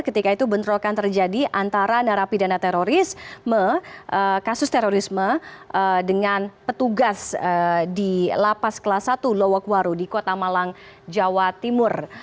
ketika itu bentrokan terjadi antara narapidana terorisme kasus terorisme dengan petugas di lapas kelas satu lowokwaru di kota malang jawa timur